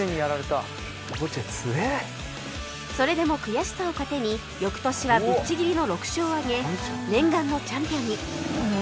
それでも悔しさを糧に翌年はぶっちぎりの６勝を挙げ念願のチャンピオンに！